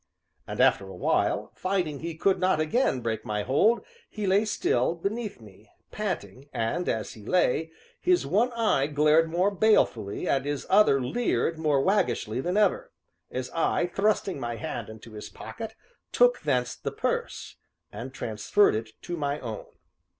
And, after a while, finding he could not again break my hold, he lay still, beneath me, panting, and, as he lay, his one eye glared more balefully and his other leered more waggishly than ever, as I, thrusting my hand into his pocket, took thence the purse, and transferred it to my own.